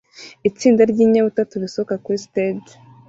Itsinda ryinyabutatu risohoka kuri stage